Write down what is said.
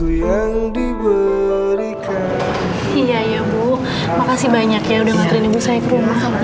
udah ngaterin ibu saya ke rumah